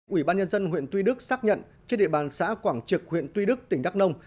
ủy ban nhân dân huyện tuy đức xác nhận trên địa bàn xã quảng trực huyện tuy đức tỉnh đắk nông